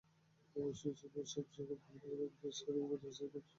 সর্বশেষ খবর হলো— ছবি শেয়ারিংয়ের ওয়েবসাইট ইনস্টাগ্রামেও ভেরিফায়েড হয়েছে পড়শীর আইডি।